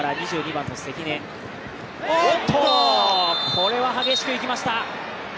これは、激しくいきました。